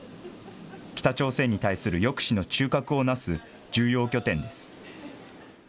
北朝鮮に対する抑止の中核をなす重要拠点です。